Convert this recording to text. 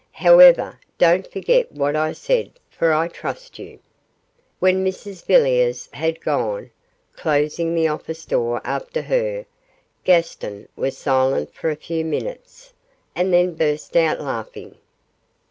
'However, don't forget what I said, for I trust you.' When Mrs Villiers had gone, closing the office door after her, Gaston was silent for a few minutes, and then burst out laughing.